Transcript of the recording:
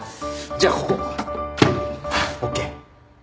じゃあここ。ＯＫ。